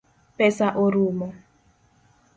Pesa orumo.